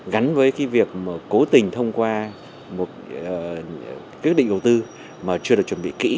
gắn với việc cố tình thông qua một quyết định đầu tư mà chưa được chuẩn bị kỹ